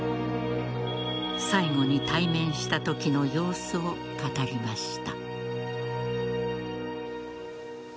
最後に対面したときの様子を語りました。